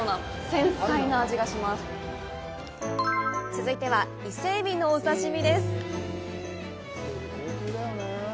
続いては、イセエビのお刺身です！